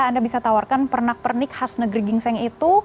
anda bisa tawarkan pernak pernik khas negeri gingseng itu